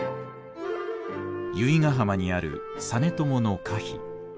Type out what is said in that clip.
由比ヶ浜にある実朝の歌碑。